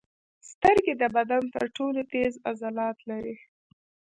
سترګې د بدن تر ټولو تېز عضلات لري.